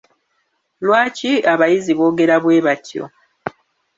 Lwaki abayizi boogera bwe batyo?